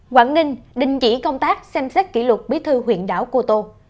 quảng ninh đình chỉ công tác xem xét kỷ luật bí thư huyện đảo cô tô